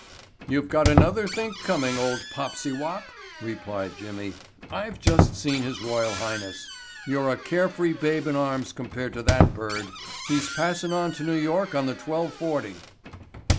"You've got another think coming, old popsy wop," replied Jimmy. "I've just seen his royal highness. You're a care free babe in arms compared to that bird. He's passin' on to New York on the twelve forty."